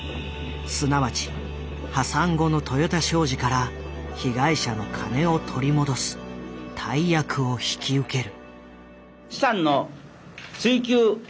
すなわち破産後の豊田商事から被害者の金を取り戻す大役を引き受ける。